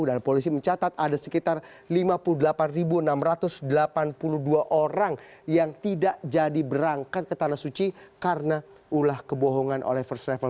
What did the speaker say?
dan polisi mencatat ada sekitar lima puluh delapan enam ratus delapan puluh dua orang yang tidak jadi berangkat ke tanah suci karena ulah kebohongan oleh first travel